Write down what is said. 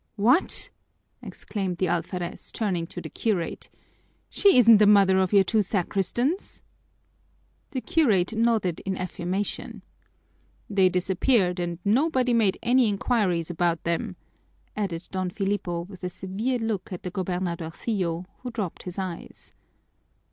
"What!" exclaimed the alferez, turning to the curate, "she isn't the mother of your two sacristans?" The curate nodded in affirmation. "They disappeared and nobody made any inquiries about them," added Don Filipo with a severe look at the gobernadorcillo, who dropped his eyes.